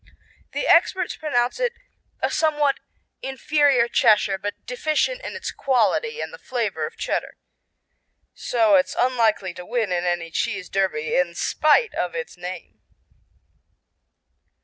The experts pronounce it "a somewhat inferior Cheshire, but deficient in its quality and the flavor of Cheddar." So it's unlikely to win in any cheese derby in spite of its name.